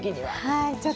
はい。